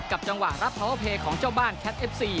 จังหวะรับโทรเพลย์ของเจ้าบ้านแคทเอฟซี